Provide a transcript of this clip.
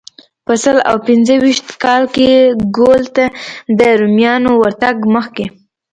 په سل او پنځه ویشت کال کې ګول ته د رومیانو ورتګ مخکې.